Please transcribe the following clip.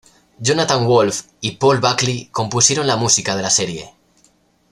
Jonathan Wolf y Paul Buckley compusieron la música de la serie.